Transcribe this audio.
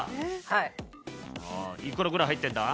いくらぐらい入ってるんだ？